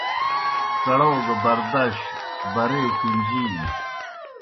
کڑاؤ گہ برداش بریئے کُݩجینیْ